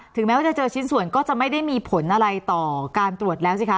แม้ว่าจะเจอชิ้นส่วนก็จะไม่ได้มีผลอะไรต่อการตรวจแล้วสิคะ